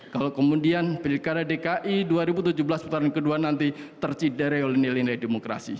kalau kemudian pilkara dki dua ribu tujuh belas putaran ke dua nanti tercidere oleh nilai nilai demokrasi